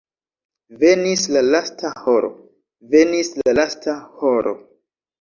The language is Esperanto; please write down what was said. Venis la lasta horo, venis la lasta horo!